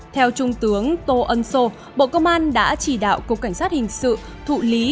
theo trung tướng tô ân sô bộ công an đã chỉ đạo cục cảnh sát hình sự thụ lý